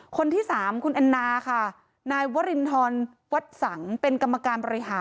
คนที่๓คุณอันนา